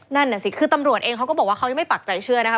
นั่นน่ะสิคือตำรวจเองเขาก็บอกว่าเขายังไม่ปักใจเชื่อนะคะ